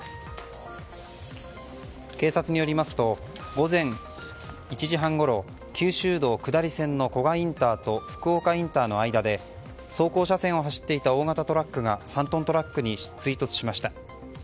警察によりますと午前１時半ごろ九州道下り線の古賀ＩＣと福岡インターの間で走行車線を走っていた大型トラックが３トントラックに衝突しました。